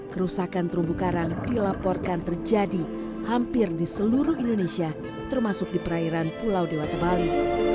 kerusakan terumbu karang dilaporkan terjadi hampir di seluruh indonesia termasuk di perairan pulau dewata bali